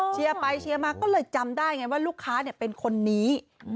เชียร์ไปเชียร์มาก็เลยจำได้ไงว่าลูกค้าเป็นคนนี้